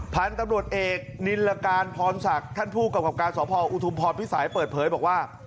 พันธุ์ตำรวจเอกนิรการพรศักดิ์ท่านผู้กำกับการสอบพออุทุมพรพิสัยเปิดเผยบอกว่า